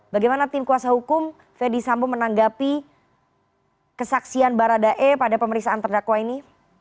bagaimana tim kuasa hukum fendi sambo menanggapi kesaksian barada e pada pemeriksaan terdakwa ini